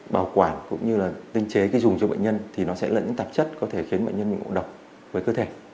bảo quản cũng như là tinh chế khi dùng cho bệnh nhân thì nó sẽ là những tạp chất có thể khiến bệnh nhân bị ngộ độc với cơ thể